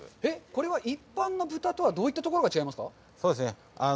これは一般の豚とはどういったところか違いますか。